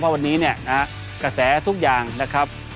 เพราะวันนี้เนี่ยกระแสทุกอย่างนะครับ